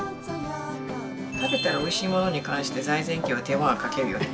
食べたらおいしいものに関して財前家は手間はかけるよね。